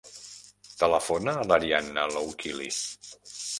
Telefona a l'Ariadna Loukili.